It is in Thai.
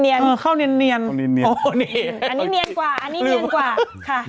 อันนี้เนียนกว่าอันนี้เนียนกว่า